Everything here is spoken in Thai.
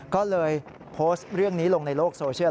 ก็เลยโพสต์เรื่องนี้ลงในโลกโซเชียล